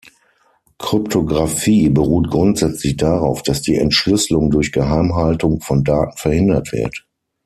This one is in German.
Kryptographie beruht grundsätzlich darauf, dass die Entschlüsselung durch Geheimhaltung von Daten verhindert wird.